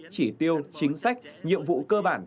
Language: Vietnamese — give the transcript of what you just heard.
chỉ tiêu chính sách nhiệm vụ cơ bản